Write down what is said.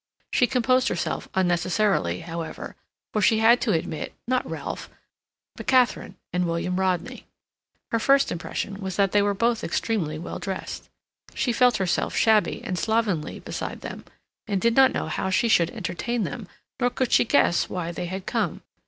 She composed herself unnecessarily, however, for she had to admit, not Ralph, but Katharine and William Rodney. Her first impression was that they were both extremely well dressed. She felt herself shabby and slovenly beside them, and did not know how she should entertain them, nor could she guess why they had come.